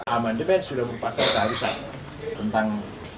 amandemen sudah merupakan keharusan tentang